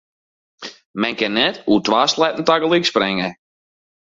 Men kin net oer twa sleatten tagelyk springe.